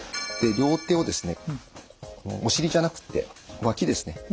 両手をお尻じゃなくって脇ですね。